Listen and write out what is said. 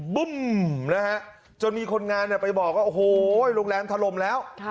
บึ้มนะฮะมีคนงานเนี่ยไปบอกโอ้โหโรงแรมทะลมแล้ว